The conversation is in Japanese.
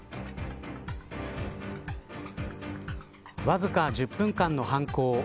わずか１０分間の犯行。